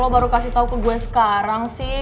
baru kasih tau ke gue sekarang sih